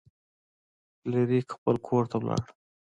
فلیریک خپل کور ته لاړ.